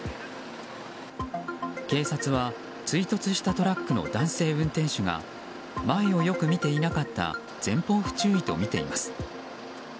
警察は追突したトラックの男性運転手が前をよく見ていなかった前方不注意とみています。